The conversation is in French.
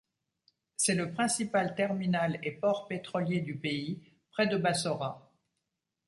C'est le principal terminal et port pétrolier du pays, près de Bassorah.